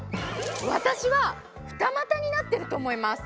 私は二股になってると思います。